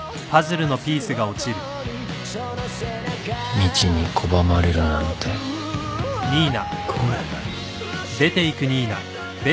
みちに拒まれるなんてごめん。